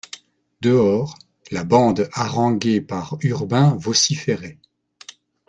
Dehors, la bande haranguée par Urbain vociférait.